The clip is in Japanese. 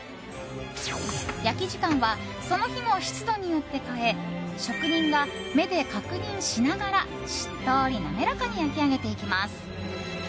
焼き時間はその日の湿度によって変え職人が目で確認しながらしっとり滑らかに焼き上げていきます。